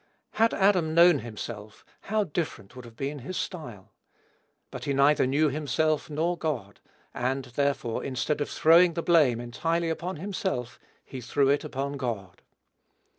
Had Adam known himself, how different would have been his style! But he neither knew himself nor God, and, therefore, instead of throwing the blame entirely upon himself, he threw it upon God.